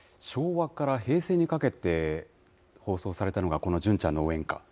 昭和から平成にかけて放送されたのがこの純ちゃんの応援歌。